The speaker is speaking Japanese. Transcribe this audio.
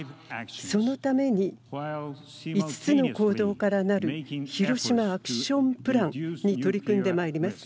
そのために５つの行動からなるヒロシマ・アクション・プランに取り組んでまいります。